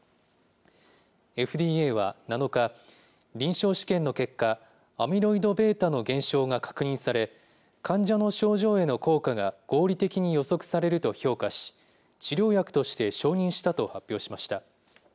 ＦＤＡは７日、臨床試験の結果、アミロイドβの減少が確認され、患者の症状への効果が合理的に予測されると評価し、治療薬として承認したと発表しました。